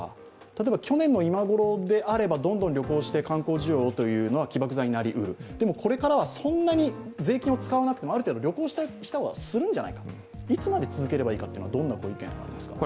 例えば去年の今ごろであればどんどん旅行して、観光需要をというのは起爆剤になりうる、でも、これからはそんなに税金を使わなくてもある程度旅行したい人はするんじゃないか、いつまで続ければいいかというのは、どんなご意見ですか？